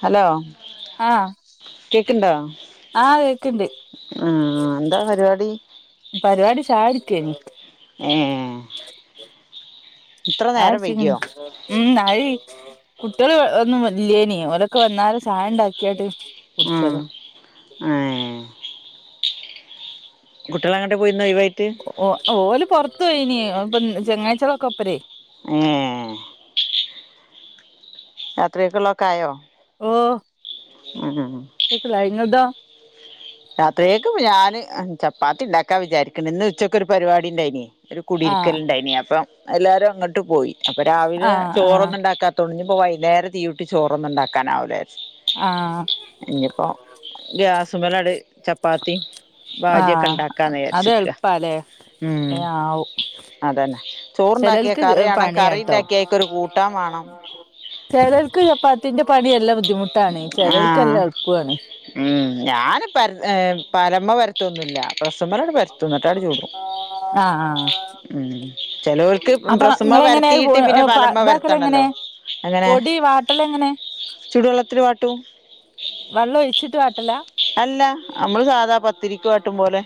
Hello ആഹ് കേക്ക്ണ്ടോ? ആഹ് കേക്ക്ണ്ട് ആഹ് എന്താ പരിവാടി? പരിവാടി ചായടിക്കേനി ഏഹ് ഇത്ര നേരം ചായുടിച്ചിക്ക്ണ് വൈഗ്യോ? ഉം അഴ്. കുട്ടികള് ഒന്നും ഇല്ലേനി. ഓരൊക്കെ വന്നാല ചായണ്ടാക്ക കേട്ട് ആഹ് ആഹ് കുട്ടികള് എങ്ങട്ടാ പോയിന്നു ഒയവായിട്ട്? ഓഹ് ഓല് പൊറത്തു പോയിനി. ഇപ്പം ചെങ്ങായിച്ച്യോൾടൊക്കോപ്പരേ. ഏഹ് രാത്രിയേക്ക്ള്ളതൊക്കെ ആയോ? ഓഹ് അഹാ ഇന്നക്ക്ള്ളതായി. ങ്ങൾതോ? രാത്രിയേക്കും ഞാന് ആഹ് ചപ്പാത്തിണ്ടാക്കാൻ വിചാരിക്ക്ണ്ട്. ഇന്ന് ഉച്ചക്കൊരു പരിപാടിണ്ടായിന്. ഒരു ആഹ് കുടിരിക്കൽണ്ടായിനി. അപ്പ എല്ലാരും അങ്ങട്ട് പോയി. അപ്പ രാവിലെ ആഹ് ആഹ് ചോറൊന്നുണ്ടാക്കാ തോണ്ട് പ്പ വൈന്നേരം തീയൂട്ടി ചോറൊന്നും ഉണ്ടാക്കാനാവൂല്ല വിചാരിച്ചു. ആഹ് ഇഞ്ഞ്പ്പോ ഗ്യാസുമലങ്ങ്ട് ചപ്പാത്തിം ആഹ് ബാജിയൊക്കെണ്ടാക്കാന്ന് അത് വിചാരിച്ചിരിക്ക എളുപ്പാലേ ഏഹ് ആവും അതന്നെ. ചോറ്ണ്ടാക്കിയാ ചെലോൽക്ക് കറ്യാണം. പണിയാട്ടോ കറിണ്ടാക്കിയ അയ്ക്കൊരു കൂട്ടാൻ വേണം. ചേലോൽക്ക്ചപ്പാത്തിന്റെ പണി നല്ല ബുദ്ധിമു ആഹ് ഉം ഞാൻ പ്പ ര പരമ പരത്തൊന്നുല്ല. പ്രസ്മലങ്ങട് പരത് തും ന്ന്ട്ടങ്ങാട് ചുടും ആഹ് ആഹ് ആഹ് ചെലോർക്ക് അപ്പ പ്രസ്മ്മ ഇങ്ങള് എങ്ങനെയാ? പരത്തിയിട്ട് പൂവാ പിന്നെ ആഹ് പ പലമ്മ പരത്തണല്ലോ ഇതാക്കലെങ്ങനെ? പൊടി വാട്ടല് എങ്ങനെ? ചൂടുവെള്ളത്തില് വാട്ടും. വെള്ളം ഒഴിച്ചിട്ട് വാട്ടലാ? അല്ല, നമ്മള് സാധാ പത്തിരിക്കു വാട്ടുമ്പോലെ.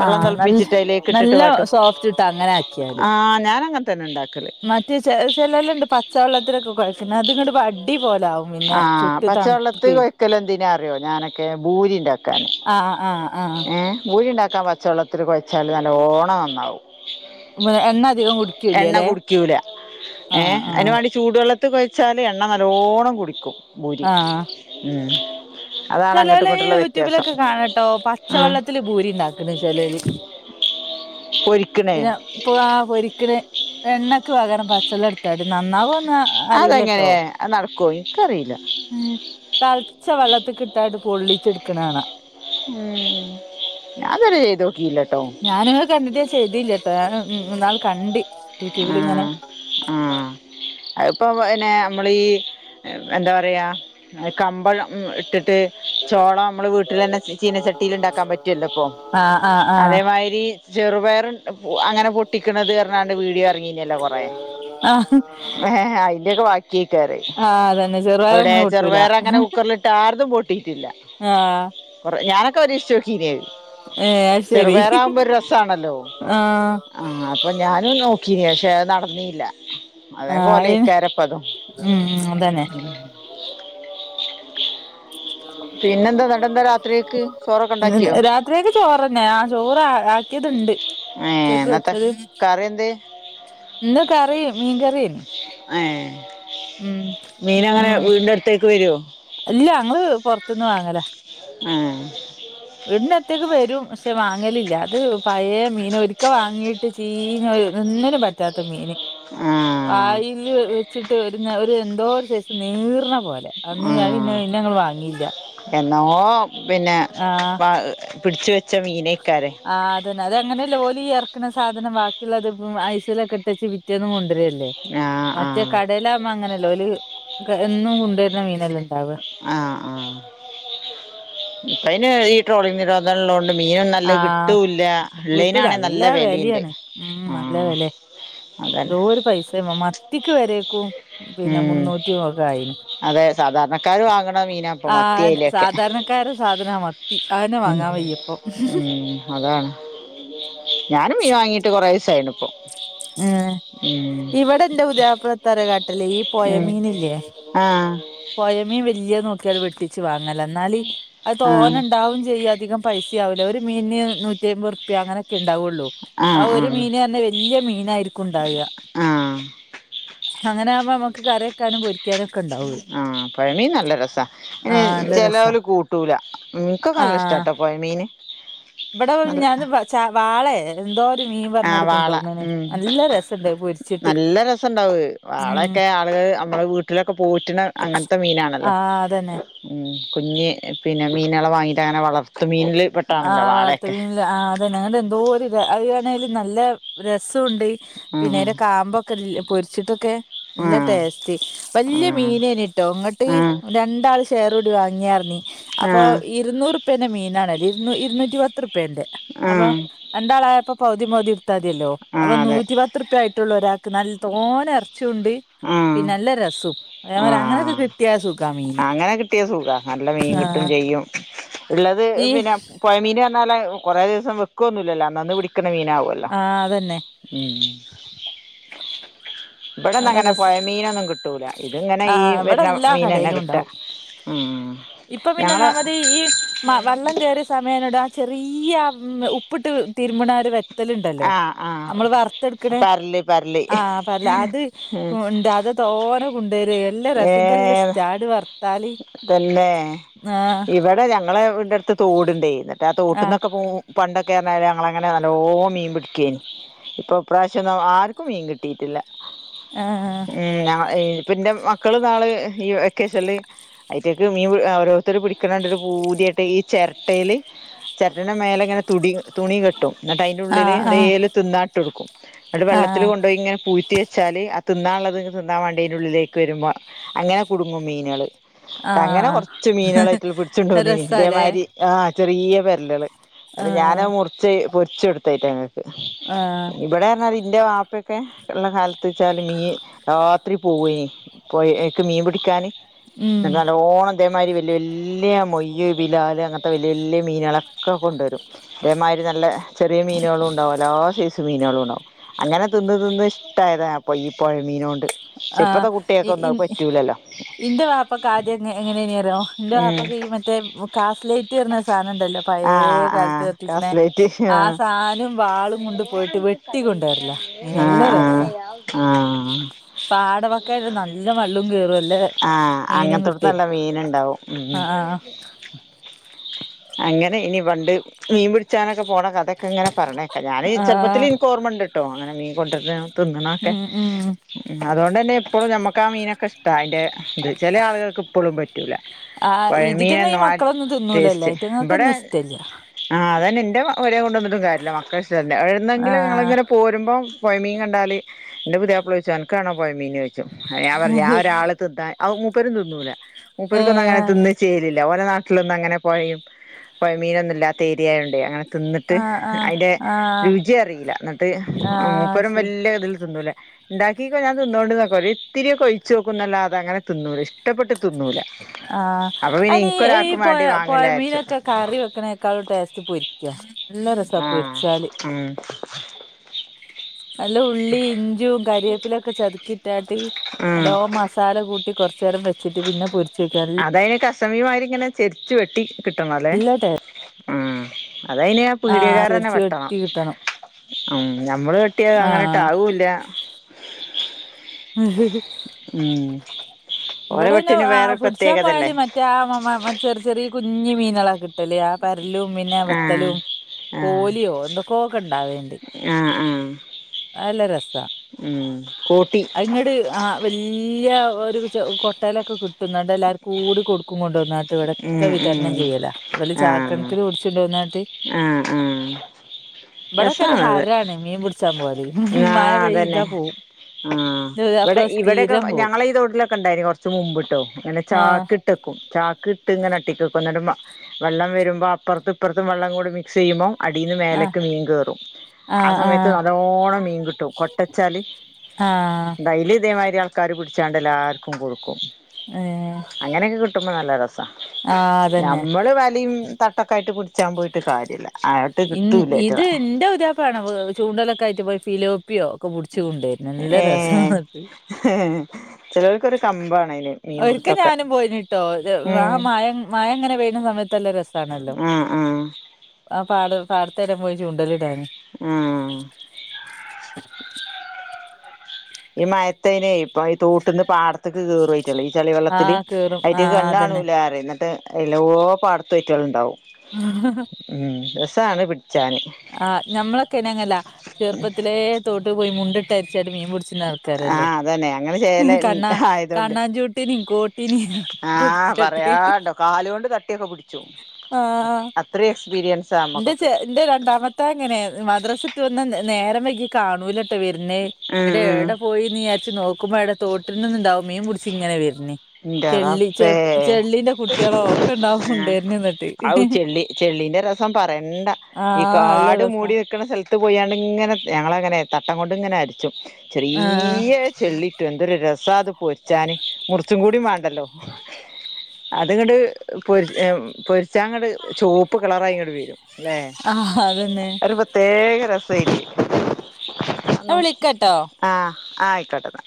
വെള്ളം നല്ല തിളപ്പിച്ചിട്ട് അയ്ലേക്കിട്ടിട്ട് നല്ല വാട്ടും. സോഫ്റ്റ് ഇട്ട് അങ്ങനെ ആക്കിയാല് ആഹ് ഞാനങ്ങനെതന്നെ ഇണ്ടാക്കല്. റ്റ് ചെലോല്ണ്ട് പച്ചവെള്ളത്തിലൊക്കെ കൊഴച്ച്ണ്. അത്ങ്ങട് വാട്ട് ടി പോലാവും. ആഹ് പച്ചവെള്ളത്തി കൊയക്കലെന്തിനാ അറിയോ ഞാനൊക്കെ, ഭൂരിണ്ടാക്കാന്. ആഹ് ആഹ് ആഹ് ഏഹ്. ഭൂരിണ്ടാക്കാൻ പച്ചവെള്ളത്തില് കൊഴച്ചാല് നല്ലോണം നന്നാവും. എണ്ണ അധികം എണ്ണ കുടിക്കൂല്ലല്ലേ കുടിക്കൂല. ആഹ് ഏഹ്. അയ്‌ന് ആഹ് വാണ്ടി ചൂടുവെള്ളത്ത് കൊയച്ചാല് എണ്ണ നല്ലോണം കുടിക്കും ഭൂരി. ആഹ് ഉം. അതാണ് അങ്ങോട്ടും ചെലോല് ഇങ്ങോട്ടുള്ള വ്യത്യാസം യൂട്യൂബിലൊക്കെ കാണാട്ടോ ഉം പച്ചവെള്ളത്തില് ഭൂരിണ്ടാക്കണ് ചെലര്. പൊരിക്കണേ പിന്നെ ഇപ്പൊ ആ പൊരിക്കിണ്. എണ്ണക്ക് പകരം പച്ചള്ളം എടുത്താട്. നന്നാവെന്ന അതെങ്ങനെ? അത് നടക്കോ? ഇനിക്കറിയില്ല. ആഹ് തെളച്ച വെള്ളത്തിക്കിട്ടായിട്ട് പൊള്ളിച്ചെടുക്കണാണാ. ഉം. ഞാൻ ഇതുവരെ ചെയ്തു നോക്കിയില്ലാട്ടോ. ഞാനിങ്ങനെ കണ്ടിട്ട് ചെയ്തില്ല്യാട്ടോ. ഇന്നാൾ കണ്ട് യൂട്യൂബിൽ ഇങ്ങനെ. ആഹ് ആഹ്. അത്പ്പം പിന്നെ നമ്മളീ എന്താ പറയാ, കമ്പളം ഇട്ടിട്ട് ചോളം നമ്മള് വീട്ടിൽ തന്നെ ചീനച്ചട്ടിൽ ഇണ്ടാക്കാൻ പറ്റ്വല്ലോ ഇപ്പൊ. ആഹ് ആഹ് ആഹ് അതേമാതിരി ചെറുപയറ്ട്ട് അങ്ങനെ പൊട്ടിക്കണത് പറഞ്ഞാണ്ട് വീഡിയോ അ ച്ചല്ലോ കൊറേ. ആഹ് ഏഹ് അയിന്റെ ഒക്കെ ബാക്കി കീക്കാറേ. ആഹ് അതന്നെ ചെറുപയർ അവിടെ അങ്ങനെ പൊട്ടൂല ചെറുപയറങ്ങനെ കുക്കറിലിട്ട് ആരതും പൊട്ടീട്ടില്ല. ആഹ്. കൊറേ, ഞാനൊക്കെ പരീക്ഷിച്ചോക്കീനത്. ഏഹ് അത് ശരി ചെറുപയറാവുമ്പോ ഒരു രസാണല്ലോ. ആഹ് ആഹ് അപ്പൊ ഞാനും നോക്കീന്. പക്ഷെ അത് നടന്നില്ല. അതേ ആഹ് പോലായിക്കാരപ്പതും. ഉം അതന്നെ പിന്നെന്താ എന്നിട്ടെന്താ രാത്രിയേക്ക് ചോറൊക്കെ [inaudible] മ്മ് ഉണ്ടാക്കിയോ രാത്രിയൊക്കെ ചോറന്നെ. ആഹ് ചോറ് ആഹ് ക്കിത്ണ്ട്. ഏഹ് ഉച്ചക്ക് ഇന്നത്തെ വെച്ചത്. കറി എന്തേ ഇന്ന് കറി മീൻ കറിയാണ്. ഏഹ്. മീനങ്ങനെ ഉം വീടിന്റെ അടുത്തേക്ക് വരുവോ? ഇല്ല ഞങ്ങള് പുറത്ത്ന്ന് വാങ്ങലാ. ഏഹ്. വീടിനട്ത്തേക്ക് വരും പക്ഷെ വാങ്ങലില്ല. അത് പഴയ മീനാ. ഒരിക്ക വാങ്ങീ ചീഞ്ഞ ഒരു ഒന്നിനും പറ്റാത്ത മീന്. ആഹ്. വായില് വെച്ചിട്ട് ഒരു ഒരു എന്തോ സെയ്സ് നീറ്ണ പോലെ. അത് പിന്നെ, പിന്നെ ആഹ് ഞങ്ങള് വാങ്ങിയില്ല. എന്നോ പിന്നെ ആഹ്. ഇപ്പ പിടിച്ച് വെച്ച മീനേക്കാരെ. ആഹ് അതന്നെ. അതങ്ങനെല്ലേ ഓല് ഈ എറക്കണ സാധനം ബാക്കിയുള്ളത് ഐസിലൊക്കെ ഇട്ടച്ച് പിറ്റേന്നും കൊണ്ടരേ ല്ലേ. ആഹ് മറ്റേ ആഹ് കടേലാവുമ്പോ അങ്ങനെയല്ല ഓല് എന്നും കൊണ്ടുവരുന്ന മീനല്ലേ ഇണ്ടാവാ. ആഹ് ആഹ്. ഇപ്പയിന് ഈ ട്രോളി നിരോ തന്നള്ളോണ്ട് മീനും നല്ല ആഹ് കിട്ടൂല്ല കിട്ടൂല ഇള്ളേനാണെ നല്ല വെലിം ഇണ്ട് വെലയാണ് ഉം നല്ല ആഹ് വെലെ അതെ എന്തോരു പൈസ മ മത്തിക്ക് വരെക്കും പിന്നെ ഉം മുന്നൂറ്റിയൊക്കെ ആയിനു അതെ സാധാരണക്കാര് വാങ്ങണ മീനാ ഇപ്പൊ മത്തി ആഹ് അയിലൊക്കെ സാധാരണ ക്കാരെ സാധന മത്തി ആയെനെ ഉം വാങ്ങാൻ വയ്യപ്പോ ഉം അതാണ് ഞാനും മീൻ വാങ്ങിട്ട് കൊറെ ദിവസായിണിപ്പോ ഏഹ് ഉം ഇവടെന്റെ പുതിയാപ്പിള ത്തരെ കാട്ടല് ഈ പൊയ ഉം മീനില്ലേ ആഹ് പൊയമീൻ വല്യ നോക്കിത് വെട്ടിച്ച് വാങ്ങല എന്നാൽ അത് തോന ആഹ് ഇണ്ടാവും ചെയ്യും അധികം പൈസ ആവില്ല ഒരു മീന് നൂറ്റിമ്പത് രുപ്യ അനൊക്കെ ഇണ്ടാവുള്ളൂ ആ ആഹ് ഒരു ആഹ് മീന് ന്നെ വല്യ മീനാരിക്കും ഇണ്ടാവ ആഹ് അങ്ങനെ ആകുമ്പോ നമുക്ക് കറി വെക്കാനും പൊരി ആഹ് പൊഴമീൻ നല്ല രസാ അതിന് ആഹ് നല്ല രസാ ചെലോല് കൂട്ടൂല ൻകൊക്കല്ല ഷ്ടാട്ടോ പൊയ മീന് വടെ മിഞാന്ന് വാളേ ന്തോരു മീൻ ആഹ് പറഞാണ്ട് കൊണ്ട് വാള വന്നാണ് ഉം നല്ല രസണ്ട് പൊര്ച്ചിട്ട് വാളൊക്കെ ആള്കള് നമ്മള വീട്ടിലൊക്കെ പോറ്റ്ണെ അങ്ങൻത്തെ മീനാണല്ലോ ആഹ് അതന്നെ കുഞ്യെ പിന്നെ മീനളെ വാങ്ങീട്ട് അങ്ങനെ വളർത്ത് മീൻല് ആഹ് വൾത്ത് മീൻല് ആ ങ്ങൻതെന്തോര് താ അത് ആണേലും നല്ല രസൊണ്ട് പിന്നെ ഉം അയ്ന്റെ കാമ്പ ക്കെ പൊര്ച്ട്ടൊക്കെ നല്ല ആഹ് ടേസ്റ്റ് വല്ല്യെ ആഹ് മീനേനിട്ടോ ങ്ങട്ട് രണ്ടാള് ഷേറൂടി വാങ്ങിയർന്നി ആഹ് അപ്പൊ ആഹ് ഇര്ന്നൂറുപ്യെന്റെ മീനണത് ഇരുന്നൂറ്റി പത്തുർപ്യാന്റെ അപ്പൊ ആഹ് രണ്ടാളായപ്പോ പൗതീംപൗതി ത്തത്യേല്ലോ അവ ആഹ് അതെ നൂറ്റി പത്തുർപ്യ ആയ്ട്ടൊള്ളൂ ഒരാക്ക് ന്നാൽ തോനെ എർ ച്ചിയുണ്ട് ആഹ് പിന്നെ നല്ല രസം ഞാപറ അങ്ങനൊക്കെ ആഹ് കിട്ട്യാസു അങ്ങനെ കിട്ട്യാ സുഖ നല്ല മീൻ കിട്ടും ആഹ് ചെയ്യും ള്ളത് ഈ പിന്നെ പൊയമീന്റെ ലന്നാല് കൊറേ ദിസം വെക്കൊന്നുല്ലല്ലോ അന്നന്ന് പിടിക്ണ മീനാവൊല്ലോ ആഹ് അതന്നെ ഉം ഇവടന്നും നല്ല അങ്ങനെ രസ് പൊയ മീനൊന്നു കിട്ടൂല ഇത് ങ്ങനെ ഈ ആഹ് ഇവിടെ വരുണ എല്ലാ മീനന്നെ കടയിലും കിട് ഉണ്ടാവും ഉം ഇപ്പൊ ഞങ്ങള് ചെറിയെ സമയനോട് ആ ചെറിയ്യ ഉപ്ട്ട് തിരുമണ ആഹ് ഒരു വ ന്തല്ണ്ടല്ലോ ആഹ് ആഹ് മ്മള് വർത്ത്ട്ക്ക്ണെ പരല് പരല് ആഹ് അ ത് ഉം കൊണ്ട് അത് തോനെ കുണ്ടോരെ ല്ല ഏഹ് രസിക്കല്ലിസ്റ്റാടണ് വർ തന്നെ ഇവടെ ഞങ്ങള വീട്ന്റട്ത്ത് തോട്ണ്ടേയ് ന്നട്ടാ ആഹ് തോട്ട്ന്നൊക്കെ പണ്ടൊക്കെർഞ്ഞാല ങ്ങളങ്ങന നല്ലോ മീ പിടിക്കെന്ന് ഇപ്പൊ ഇപ്രാവശ്യന്നും ആർക്കും മീ കിട്ടീട്ടില്ല ആഹ് ഉം ഞാ പിന്റെ മക്കള് ന്നാള് ഈ വെക്കേഷൻല് ഐറ്റക് മീ ഓരോര്ത്തര് പിടിക്കണണ്ട്ട്ട് പൂതിയായ്ട്ടെ ഈ ചെരട്ടെല് ചെര്ട്ടന്റെ മേലെ ങ്ങനെ തുടി തുണി കെട്ടും ന്നട്ടയ്ന്റെ ഉള്ളില് ആഹ് ന്തേലു തിന്നാട്ടൊടുക്കും അന്നട്ട് ആഹ് വെള്ളത്തില് ആഹ് കൊണ്ടോയി ഇങ്ങനെ പൂയ്ത്തി ച്ചാല് ആ തിന്നാള്ളത് തിന്നാ വെണ്ടിഅയ്‌ന്റെ ള്ളിലേക്ക് വരുമ്പോ അങ്ങനെ കുട്ങ്ങും മീനള് അങ്ങനെ കൊർച്ച് ആഹ് മീനാളയ്റ്റേള് പിട്ച്ചോണ്ടന്നീന് രസാല്ലേ ഇതേമാരി ആഹ് ചെറിയ്യ പെര്ലേള് അല്ല ഞാനാ ആഹ് മുർച്ച് പൊര്ച്ചോടുത്തയ്റ്റങ്ങക്ക് ആഹ് ബബടെന് പർഞ്ഞാല് ഉന്റെ വാപ്പക്കെ ഉള്ള കാൽത്ത് ച്ചാലു മീൻ ഓക് പോവോയ് പൊയേക്ക് മീ പിടിക്കന് ഉം ന്നട്ടല്ലോണം ഇതേമാരി വെല്യ വെല്ല്യേ മൊയ്യ് ബിലാല് അങ്ങത്തെ വെല്യ വെല്ല്യെ മീനാളക്കെ കൊണ്ട് വരും ഇതേമാരി നല്ല ചെറിയേ മീനാളും ഉണ്ടാവും എല്ലാ സൈസ് മീനാളും ഉണ്ടാവും അങ്ങനെ തിന്ന് തിന്ന് ഇഷ്ടായതാ അപ്പൊ ഈ പൊയമീനോണ്ട് ആ ഇ ഇ ഇന്റെ വാപ പ്പക്കാദ്യം എ എങ്ങനെെനിഅറിയോ ന്റെ ഉം വാപ്പൊക്കീ മറ്റേ ക്ലാസലോറ്റ് എന്ന് പറഞ സാനണ്ടല്ലോ പയേ ആഹ് ആഹ് കാലത്ത് നെ കാസ്ലേറ്റ് ആ ആഹ് സാനും വാളും കെണ്ട് പോയിട്ട് വെട്ടിക്കൊണ്ടരല മീന് ആഹ് നല്ല രസ ആഹ് ആഹ് പാടവക്ക ആയ നല്ല വള്ളും കേറു ല്ലേ അങ്ങൻ ത്തേട്ത്ത് നല്ല മീന് ഇണ്ടാവും ഉം ഉം ആഹ് അങ്ങനൈയ്നി പണ്ട് മീ പുട്ച്ചാനൊക്കെ പോണ കഥക്കെങ്ങനെ പറീണേക്ക ഞാന് ചെർപത്തില് ആഹ് ഇൻക്കോർമ്മ ഇണ്ട്ട്ടോ അങ്ങനെ മീ കൊണ്ട് വര്ണെ തിന്ന്ണൊക്കെ ഉം ഉം അതോണ്ടന്നെ ഇപ്പളും ഞമ്മക്കാ മീനൊക്കെ ഇഷ്ടാ അയ്ന്റെ ഇത് ചെല ആളുകള്ക്ക് ഇപ്പളും പറ്റൂല ആഹ് പൊയ ഇതിറ്റങ്ങ ഈ മീനെന്നു ആ മക്കളൊന്നും തിന്നൂലല്ലോ ടേസ്റ്റ് ഇബടെ അയ്റ്റങ്ങക്കൊന്നും ഇഷ്ടല്ല ആഹ് അതന്നെ ഇന്റെ പെരേ കൊണ്ടന്നിട്ടും കാര്യല്ല മക്കളഷ്ടല്ല എന്നെങ്കിലും ഞങ്ങൾ ഇങ്ങനെ ആഹ് പോരുമ്പോ പൊയ മീൻ കണ്ടാല് ഇന്റെ പുത്യാപ്പള ചോയ്ച്ചും അൻക്കാണോ പൊയ മീൻനൊയ് പറ ആഹ് ഒരാള് തിന്നാ മൂപ്പരും തിന്നൂല മുപ്പർക്കൊന്നും അങ്ങനെ ഏഹ് തിന്ന് ചെലില്ല ഓരോ നാട്ടിലൊന്നും അങ്ങനെ പോയയും പോയ മീനൊന്നും ഇല്ലാത്ത ഏരിയായൊണ്ട് അങ്ങനെ തിന്നിട്ട് ആഹ് ആഹ് അയിൻ്റെ ആഹ് രുചിയറിയില്ല എന്നിട്ട് ആഹ് മൂപ്പരും ശരി വല്യ ഇതിൽ തിന്നൂലാ ഇണ്ടാക്കിക്കൊ ഞാൻ തിന്നോണ്ട് ന്ന്ക്കൊ പറയും ഒരിത്തിരി ഒഴിച്ച് നോക്കുന്നല്ലാതെ അങ്ങനെ തിന്നൂല ഇഹ് ഇഷ്ടപ്പെട്ട് തിന്നൂല ആഹ് അപ്പൊ അയിന് ഈ ഈ എനിക്കൊരാക്ക് വേണ്ടി പൊയ പൊയ വാങ്ങുലാ വിചാരിച്ച് മീനൊക്കെ കറി വെക്കനേക്കാളും ടേസ്റ്റ് പൊരിക്കാ നല്ല രസാ ആഹ് പൊരിച്ചാല് ഉം [unintelligible] നല്ല ഉള്ളി ഇഞ്ചും കരിവേപ്പിലൊക്കെ ചതുക്കി ഇട്ടാട്ട് ഉം നല്ലോ മസാല കൂട്ടി കൂട്ടി കൊറചേരം വെച്ചിട്ട് പിന്ന പൊരിച്ച് നേക്ക നല്ല അതായാത് കഷണം മീന് മാതിരി ചെരിച്ചുവെട്ടി കിട്ടണല്ലേ നല്ല ടേ ഉം അതയിന് ആ ആഹ് പീടിയക്കാര് തന്നെ പൊരിച്ച് വെട്ടണം വെട്ടി കിട്ടണം ഉം ഞമ്മള് വെട്ടിയാ അത് അങ്ങനെട്ട് ആഹ് ആകൂല്ലാ ഹ് ഹ് ഉം ഓരെ വെട്ടിന് വേറെ ആഹ് പുടിച്ചാൻ പ്രത്യേകതല്ലേ പോയാല് മറ്റേ മ മ ഉം ചെറിയ ചെറിയ കുഞ്ഞു മീനുകളാ കിട്ടല് ആഹ് പരലും പിന്നെ ആഹ് വത്തലും ആഹ് കോലിയോ എന്തൊക്കെയൊ ഒക്കെ ഉണ്ടാവല് ഉണ്ട് ആഹ് ആഹ് ആഹ് നല്ല രസാ ഉം കൂട്ടി അയ് ഇങ്ങട് ആഹ് വല്യ ഒരു ചെ കൊട്ടലൊക്കെ കിട്ടു ഇന്നട്ട് എല്ലാർക്കും കൂടി കൊടുക്കും ക്കും കൊണ്ട്ന്നാട്ട് ഇവിടക്കാ ഉം വിതരണം ഉം ചെയ്യലാ വലിയാ ചാക്ക് ആഹ് കണക്കിന് പിടിച്ചു കെണ്ടോന്നാട്ട് ആഹ് ആഹ് രസാണത് മീന് പുട്ച്ചാൻ പോകല് ആഹ് അതന്നെ ആഹ് ഇത് ഇവിടെ അപ്പള ഇവിടെക്കെ സ്ഥിരം പോവും ഞങ്ങളെ തോട്ടലൊ ക്കെണ്ടായിന് കുറച് മുമ്പ് അങ്ങനെ ആഹ് ചാക്ക് ഇട്ടക്കും ചാക്ക് ഇട്ട് ഇങ്ങനെ അട്ടിക്ക് വെക്കും എന്നിട്ട് വെള്ളം വരുമ്പോ അപ്പറത്തും ഇപ്പുറത്തും വള്ളം കൂടി മിക്സ് ചെയ്യുമ്പോ അടിന്ന് ആഹ് മേലക്ക് മീൻ കേറും ആഹ് സമയത്ത് നല്ലോണം മീൻ കിട്ടും കൊട്ടച്ചാല് ആഹ് ഡയിലി ഇതേമാതിരി ആ ക്കാര് പിടിച്ചാണ്ട് എല്ലാർക്കും കൊടുക്കും ഏഹ് അങ്ങനൊക്കെ കിട്ടുമ്പോ നല്ല രസാ ആഹ് അതന്നെ നമ്മള് വ ള്ളിയും തട്ടൊക്കെ ആയിട്ട് പുടിച്ചാൻ പോയിട്ട് കാര്യല്ല ആയിട്ട് ഇൻ കിട്ടൂല ഇത് അയ്റ്റളെ എന്റെ പുതിയാ പ്ലാ ആണ് ചൂണ്ടലൊക്കെ ആയിട്ട് പോയിട്ട് ഫിലോപ്പിയോ ഒക്കെ പുടിച്ച് കൊണ്ട് വരും നല്ല രസാണ് അത് ആഹ് ചിലർക്കൊരു കമ്പാണ് അതിന് ഒരിക്ക ഞാനും പോയിന്ട്ടോ ആഹ് ഉം മയ മയ ഇങ്ങനെ പെയ്യണ സമയത്ത് നല്ല രസാണല്ലോ ആഹ് ആഹ് ആഹ് പാട് പാടത്തേടേലും പോയി ചുണ്ടല് ഇടാന് ആഹ് ഈഹ് മയത്തേനെ ഇപ്പൊ ഈ തോട്ടീന്ന് പാടത്തേക്ക് കേ റ്റൂലെ ചളി ആ വെള്ളത്തില് കേറും ആ അയിറ്റങ്ങക്ക് കണ്ണ് അതന്നെ കാണൂല പറ ട്ട് എല്ലോ പാടത്തും അയിറ്റകളുണ്ടാവും ആഹ് ആഹ് ഉം രസാണ് പിടിച്ചാന് ആഹ് നമ്മളൊക്കെ ഇനെ അങ്ങനല്ല ചെറുപ്പത്തിലെ തോട്ടിൽ പോയി മുണ്ടിട്ട് അരിച്ചാട്ടായിന് മീൻ പുടി ച്ചിരുന്ന ആൾക്കാരല്ലേ ആഹ് അതന്നെ അങ്ങനെ ചെയ്യല് കണ്ണാ ആയതൊണ്ട് കണ്ണാഞ്ചൂട്ടിനെയും കോട്ടിനെയും ആഹ് പറയാണ്ടോ കാലോണ്ട് തട്ടിയൊക്കെ പിടിച്ചും ആഹ് ഇത്രയും എക്സ്പീരിയൻസ് ഇന്റെ ചെ ഇന്റെ രണ്ടാമത്തവൻ അങ്ങനെയാ മദ്രസ്സ വിട്ട് വന്നാ നേരം വൈകി കാണൂല ട്ടാ വരുന്നേ ഉം എടെ ഉം എടെ പോയിന്ന് വിചാ രിച്ച് നോക്കുമ്പോ അവിടെ തോട്ടിൽ നിന്ന് ഉണ്ടാവും മീൻ പുടിച്ച് ഇങ്ങനെ വരുന്നേ ന്റെ ചെള്ളി റബ്ബേ ചെള്ളിന്റെ കുട്ടികളോ ഒക്കെ ഉണ്ടാവും കൊണ്ട് വരുന്നേ എന്നിട്ട് ചെളീന്റെ രസം പറയണ്ട ഈ ആഹ് നല്ല കാട് രസാ മൂടി നിൽക്കണ സ്ഥല ത്ത് പോയാണ്ട് ഇങ്ങനെ ഞങ്ങളങ്ങനയാ തട്ടം കൊണ്ട് ഇങ്ങനെ അരിച്ചും ആഹ് ചെറിയ ചെളിയിട്ടും എന്തൊരു രസവാ അത് പൊരിച്ചാന് മുറിച്ചും കൂടി വേണ്ടല്ലോ അതങ്ങട്ട് പൊരി പൊരിച്ചാ അങ്ങട്ട് ചുവപ്പ് കളറായി ഇ ഇങ്ങോട്ട് വരും അല്ലേ ആഹ് അതന്നെ ഒരു പ്ര ത്യേക രസവായിന് ഞാൻ വിളിക്കട്ടോ ആഹ് ആഹ് ആയിക്കോട്ടെന്നാ